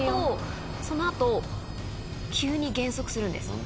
その後急に減速するんです。